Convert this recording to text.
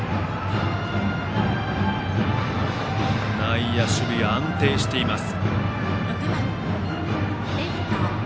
内野守備、安定しています。